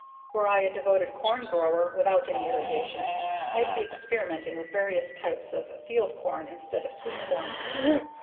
Were I a devoted corn grower without any irrigation, I'd be experimenting with various types of field corn instead of sweet corn.